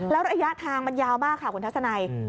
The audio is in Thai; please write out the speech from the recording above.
แล้วระยะทางมันยาวมากค่ะคุณทัศนัย